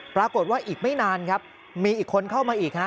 ปรากฏว่าอีกไม่นานครับมีอีกคนเข้ามาอีกฮะ